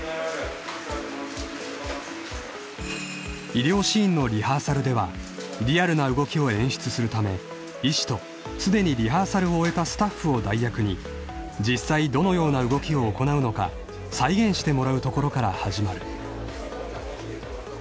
［医療シーンのリハーサルではリアルな動きを演出するため医師とすでにリハーサルを終えたスタッフを代役に実際どのような動きを行うのか再現してもらうところから始まる］